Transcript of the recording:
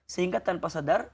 sehingga tanpa sadar